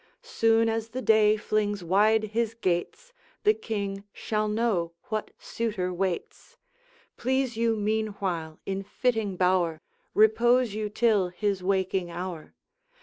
Soon as the day flings wide his gates, The King shall know what suitor waits. Please you meanwhile in fitting bower Repose you till his waking hour.